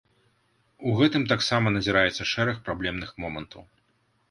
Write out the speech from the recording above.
У гэтым таксама назіраецца шэраг праблемных момантаў.